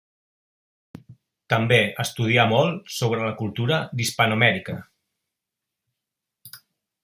També estudià molt sobre la cultura d'Hispanoamèrica.